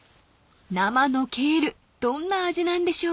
［生のケールどんな味なんでしょう］